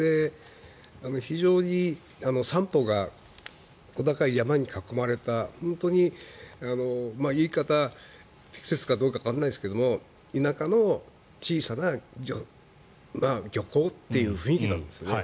非常に三方が小高い山に囲まれた本当に言い方が適切かどうかわからないですが田舎の小さな漁港という雰囲気なんですね。